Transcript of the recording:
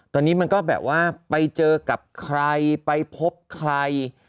ตอนนี้มันก็แบบว่าไปเจอกับใครไปพบใคร